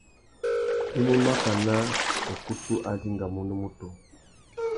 I mú makana ukutu a dingamú unúmútú.